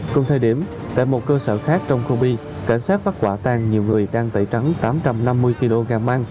cùng thời điểm tại một cơ sở khác trong khu bi cảnh sát bắt quả tan nhiều người đang tẩy trắng tám trăm năm mươi kg măng